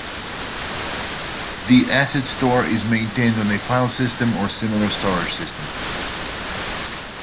The asset store is maintained on a file system or similar storage system.